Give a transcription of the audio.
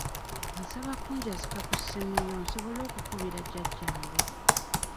Nsaba kunjazika ku ssimu yo nsobole okukubira jjajjange.